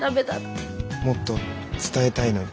もっと伝えたいのに。